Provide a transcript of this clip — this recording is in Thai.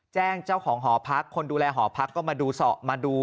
แจ้งเจ้าของหอพักคนดูแลหอพักก็มาดู